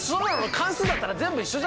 関数だったら全部一緒じゃないの？